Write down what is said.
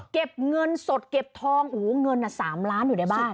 เก็บเงินสดเก็บทองโอ้โหเงิน๓ล้านอยู่ในบ้าน